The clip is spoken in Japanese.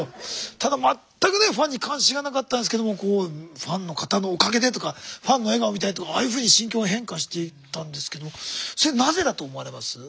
ただ全くねファンに関心がなかったんですけどファンの方のおかげでとかファンの笑顔が見たいとああいうふうに心境が変化していったんですけどそれなぜだと思われます？